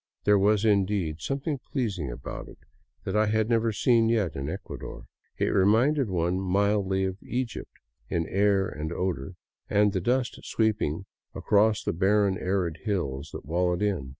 There was, indeed, something pfeasing about it that I had never yet seen in Ecuador. It reminded one mildly of Egypt, in air and odor, and the dust sweeping across from the barren, arid hills that wall it in.